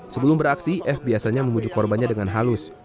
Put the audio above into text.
sebelum beraksi f biasanya membujuk korbannya dengan halus